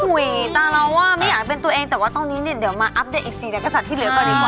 อุ้ยตัวเราว่าไม่อยากเป็นตัวเองแต่ว่าตอนนี้เดี๋ยวมาอัพเดทอีก๔นักศึกษะที่เหลือก่อนดีกว่า